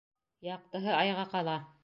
Яҡтыһы Айға ҡала.